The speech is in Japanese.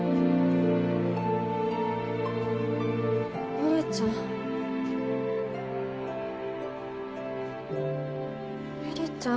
悠里ちゃん？悠里ちゃん？